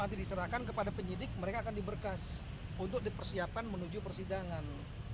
nanti diserahkan kepada penyidik mereka akan diberkas untuk dipersiapkan menuju persidangan